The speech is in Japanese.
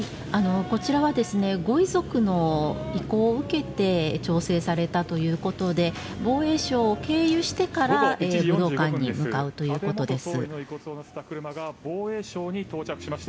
こちらはご遺族の意向を受けて調整されたということで防衛省を経由してから日本武道館に向かうということです。